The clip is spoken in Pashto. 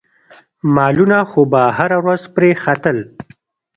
مالونه خو به هره ورځ پرې ختل.